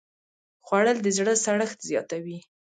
خوړل د زړه سړښت زیاتوي